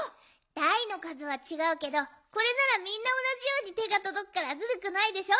だいのかずはちがうけどこれならみんなおなじようにてがとどくからずるくないでしょ？